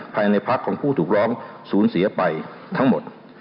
ภายในพักของผู้ถูกร้องสูญเสียไปทั้งหมด